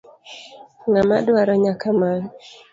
Ng'ama dwaro nyaka many.